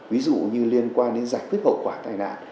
ví dụ như liên quan đến giải quyết hậu quả tai nạn